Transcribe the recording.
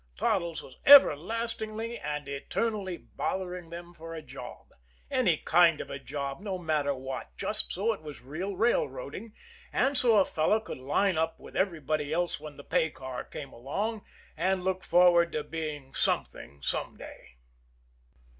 Toddles was everlastingly and eternally bothering them for a job. Any kind of a job, no matter what, just so it was real railroading, and so a fellow could line up with everybody else when the paycar came along, and look forward to being something some day.